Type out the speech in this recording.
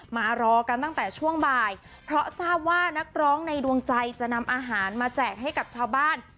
มารอกันตั้งแต่ช่วงบ่ายเพราะทราบว่านักร้องในดวงใจจะนำอาหารมาแจกให้กับชาวบ้าน